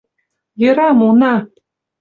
— Йӧра, муына!